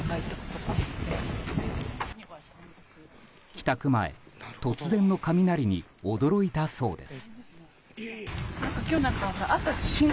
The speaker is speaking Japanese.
帰宅前、突然の雷に驚いたそうです。